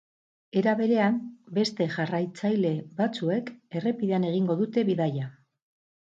Era berean, beste jarraitzaile batzuek errepidean egingo dute bidaia.